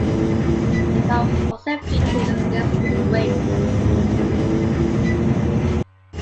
The car was also fitted with disc brakes.